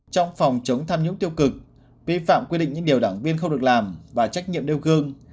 trong phòng chống tham nhũng tiêu cực vi phạm quy định những điều đảng viên không được làm và trách nhiệm đeo gương